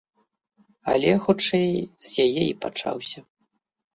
Але, хутчэй, з яе і пачаўся.